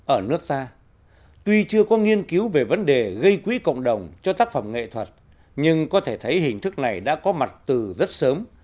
ở nước ta tuy chưa có nghiên cứu về vấn đề gây quỹ cộng đồng cho tác phẩm nghệ thuật nhưng có thể thấy hình thức này đã có mặt từ rất sớm